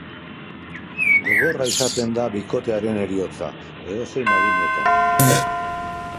Gogorra izaten da bikotearen heriotza, edozein adinetan.